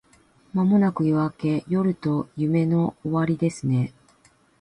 間もなく夜明け…夜と夢の終わりですね